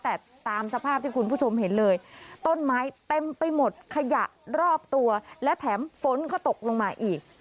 แต่ตามสภาพที่คุณผู้ชมเห็นเลยต้นไม้เต็มไปหมดขยะรอบตัวและแถมฝนก็ตกลงมาอีก